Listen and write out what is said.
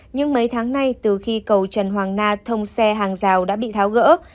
nhưng mấy tháng nay từ khi cầu trần hoàng na thông xe hàng rào đã bị tháo gỡ